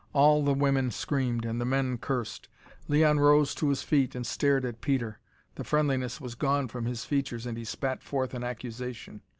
All of the women screamed and the men cursed. Leon arose to his feet and stared at Peter. The friendliness was gone from his features and he spat forth an accusation.